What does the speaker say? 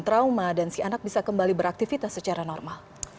dan trauma dan si anak bisa kembali beraktivitas secara normal